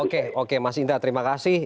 oke oke mas indra terima kasih